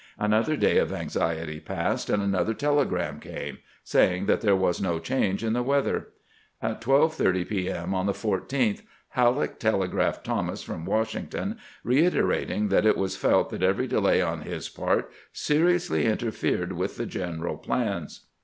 Another day of anxiety passed, and another telegram came, saying there was no change in the weather. At 12 : 30 p. m. on the 14th Halleck telegraphed Thomas from Washington, reiter ating that it was felt that every delay on his part seri ously interfered with the general plans.